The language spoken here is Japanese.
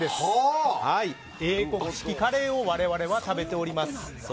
英国式カレーを我々は食べています。